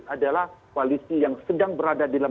adalah koalisi yang sedang berada dalam